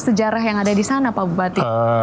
sejarah yang ada di sana pak bupati